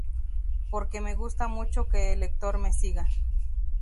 Porque me gusta mucho que el lector me siga.